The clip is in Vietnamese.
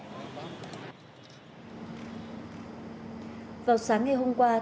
vào sáng ngày hôm qua thượng tượng hồ chí minh đã đặt vòng hoa cho các bà mẹ việt nam anh hùng